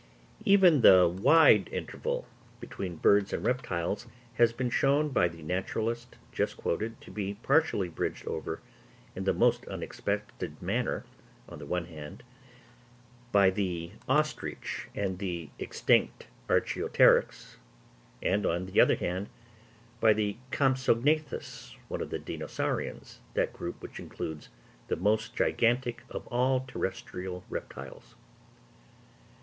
Even the wide interval between birds and reptiles has been shown by the naturalist just quoted to be partially bridged over in the most unexpected manner, on the one hand, by the ostrich and extinct Archeopteryx, and on the other hand by the Compsognathus, one of the Dinosaurians—that group which includes the most gigantic of all terrestrial reptiles.